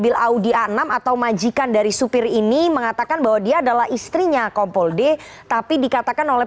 tanam atau majikan dari supir ini mengatakan bahwa dia adalah istrinya kompo d tapi dikatakan oleh